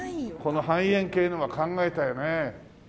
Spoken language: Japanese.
この半円形のは考えたよね。